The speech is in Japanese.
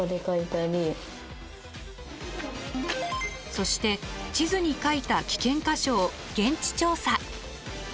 そして地図に書いた危険箇所を現地調査。